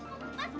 ah bangun sih